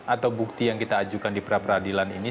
atau bukti yang kita ajukan di pra peradilan ini